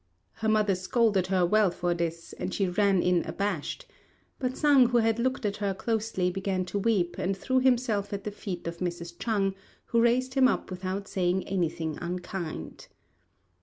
Her mother scolded her well for this, and she ran in abashed; but Sang, who had looked at her closely, began to weep, and threw himself at the feet of Mrs. Chang who raised him up without saying anything unkind.